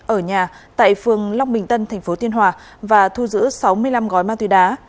ở nhà tại phường long bình tân tp thiên hòa và thu giữ sáu mươi năm gói ma túy đá